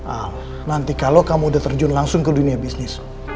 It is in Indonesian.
ah nanti kalau kamu udah terjun langsung ke dunia bisnis